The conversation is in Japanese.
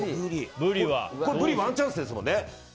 このブリワンチャンスですもんね。